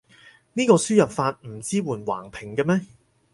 呢個輸入法唔支援橫屏嘅咩？